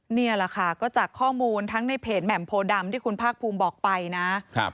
นี่แหละค่ะก็จากข้อมูลทั้งในเพจแหม่มโพดำที่คุณภาคภูมิบอกไปนะครับ